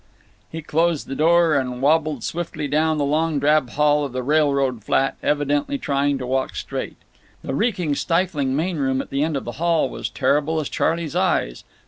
He closed the door and wabbled swiftly down the long drab hall of the "railroad flat," evidently trying to walk straight. The reeking stifling main room at the end of the hall was terrible as Charley's eyes.